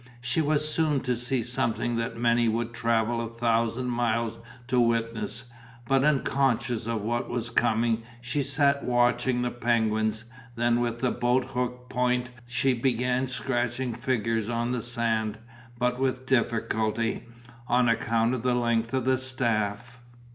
She was soon to see something that many would travel a thousand miles to witness, but unconscious of what was coming she sat watching the penguins, then with the boat hook point she began scratching figures on the sand, but with difficulty, on account of the length of the staff.